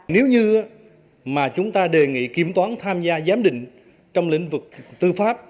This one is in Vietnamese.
nếu như mà chúng ta đề nghị kiểm toán tham gia giám định trong lĩnh vực tư pháp